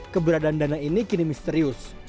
keberadaan dana ini kini misterius